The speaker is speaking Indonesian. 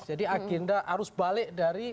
jadi agenda harus balik dari